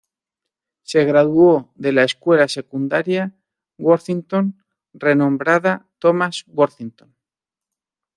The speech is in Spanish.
Se graduó de la escuela secundaria Worthington —renombrada Thomas Worthington—.